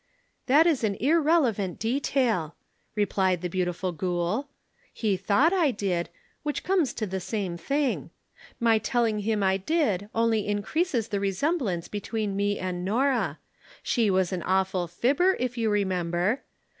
"That is an irrelevant detail," replied the beautiful ghoul. "He thought I did which comes to the same thing. Besides, my telling him I did only increases the resemblance between me and Norah. She was an awful fibber, if you remember.